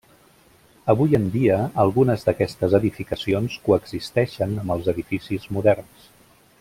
Avui en dia, algunes d'aquestes edificacions coexisteixen amb els edificis moderns.